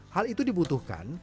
hal itu dibutuhkan